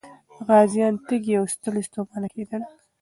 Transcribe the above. غازيان تږي او ستړي ستومانه کېدل.